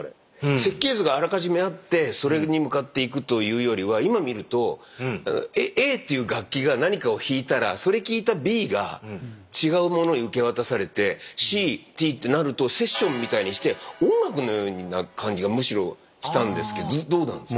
設計図があらかじめあってそれに向かっていくというよりは今見るとＡという楽器が何かを弾いたらそれ聴いたＢが違うもの受け渡されてＣＤってなるとセッションみたいにして音楽のような感じがむしろしたんですけどどうなんですか？